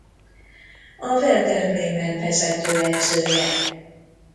A Werder Bremen vezetőedzője.